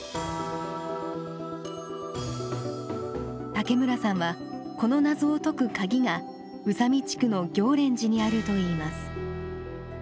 武村さんはこの謎を解く鍵が宇佐美地区の行蓮寺にあるといいます。